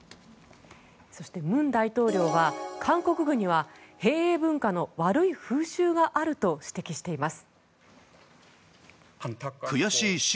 そして文大統領は韓国軍には兵営文化の悪い風習があると指摘しています。